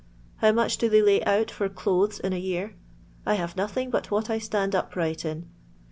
How much do they lay out for dothet in a year ]— I have nothing but what I stand upright in.